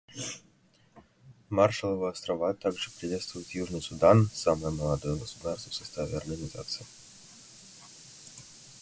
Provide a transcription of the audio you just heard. Маршалловы Острова также приветствуют Южный Судан — самое молодое государство в составе Организации.